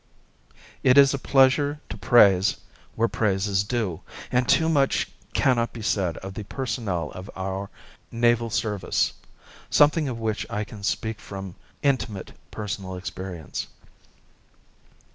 It is a pleasure to praise where praise is due, and too much cannot be said of the personnel of our naval service something of which I can speak from intimate personal experience.